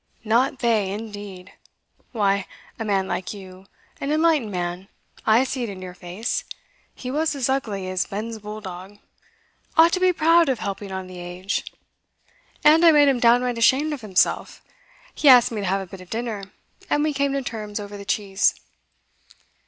Not they indeed! Why, a man like you an enlightened man, I see it in your face (he was as ugly as Ben's bull dog), ought to be proud of helping on the age." And I made him downright ashamed of himself. He asked me to have a bit of dinner, and we came to terms over the cheese.